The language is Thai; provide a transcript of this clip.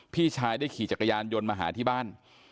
พี่ชายได้ขี่จักรยานยนต์มาหาที่บ้าน